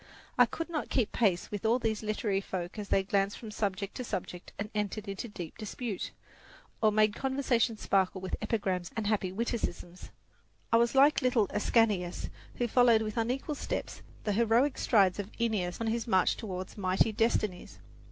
I could not keep pace with all these literary folk as they glanced from subject to subject and entered into deep dispute, or made conversation sparkle with epigrams and happy witticisms. I was like little Ascanius, who followed with unequal steps the heroic strides of Aeneas on his march toward mighty destinies.